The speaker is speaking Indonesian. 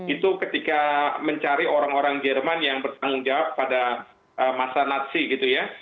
itu ketika mencari orang orang jerman yang bertanggung jawab pada masa natsi gitu ya